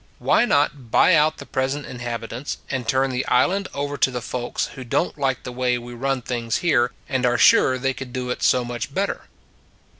Why not buy out the present inhabitants and turn the Island over to the folks who don t like the way we run things here and are sure they could do it so much better?